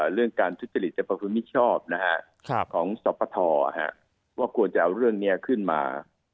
เรื่องการทุจจิฤทธิ์ในประภูมิชอบของสภทว่ากว่าจะเอาเรื่องนี้ขึ้นมา